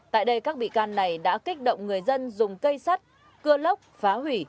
tại đây các bị can này đã kích động người dân dùng cây sắt cưa lốc phá hủy